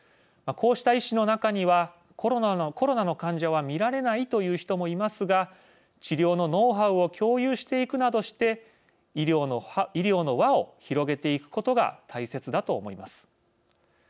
こうした医師の中にはコロナの患者は診られないという人もいますが治療のノウハウを共有していくなどして医療の輪を広げていくことが大切だと思います。